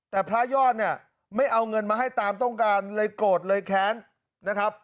แต่พระยอดเนี่ยไม่เอาเงินมาให้ตามต้องการเลยโกรธเลยแค้นนะครับ